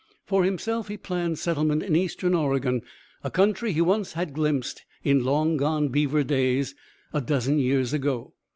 For himself, he planned settlement in Eastern Oregon, a country he once had glimpsed in long gone beaver days, a dozen years ago.